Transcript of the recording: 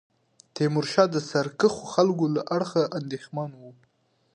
تیمورشاه د سرکښو خلکو له اړخه اندېښمن وو.